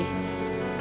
entah sama siapa